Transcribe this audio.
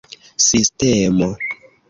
sistemo